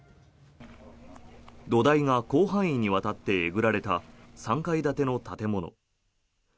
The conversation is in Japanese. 土台が広範囲にわたってえぐられた３階建ての建物。